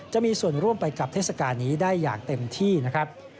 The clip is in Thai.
จะมีส่วนร่วมไปกับเทศกาลนี้ได้อย่างเต็มที่นะครับ